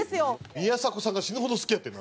宮迫さんが死ぬほど好きやってんな